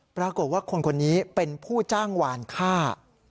ปรากฏว่าคนคนนี้เป็นผู้จ้างวานฆ่า